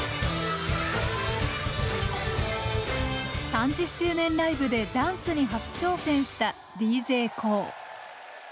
３０周年ライブでダンスに初挑戦したＤＪＫＯＯ。